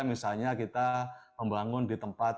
misalnya kita membangun di tempat